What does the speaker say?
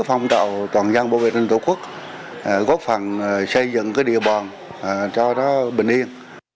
phong trào toàn dân bảo vệ an ninh tổ quốc góp phần xây dựng địa bàn cho nó bình yên